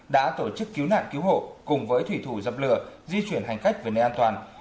đã tổ chức cứu nạn cứu hộ cùng với thủy thủ dập lửa di chuyển hành khách về nơi an toàn